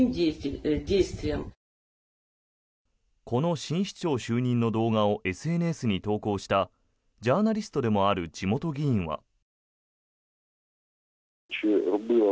この新市長就任の動画をＳＮＳに投稿したジャーナリストでもある地元議員は。